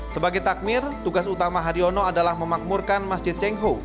sebagai takmir tugas utama haryono adalah memakmurkan masjid cengho